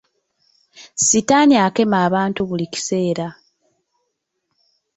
Sitaani akema abantu buli kiseera.